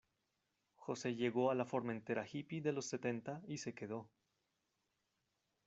José llegó a la Formentera hippy de los setenta y se quedó.